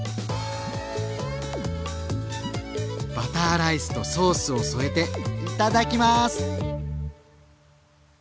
バターライスとソースを添えていただきます！